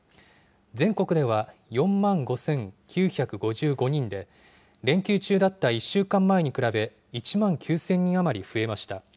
全国では４万５９５５人で、連休中だった１週間前に比べ、１万９０００人余り増えました。